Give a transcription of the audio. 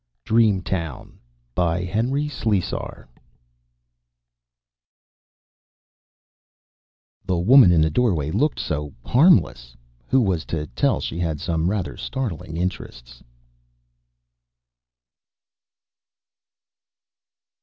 _ dream town by ... HENRY SLESAR The woman in the doorway looked so harmless. Who was to tell she had some rather startling interests?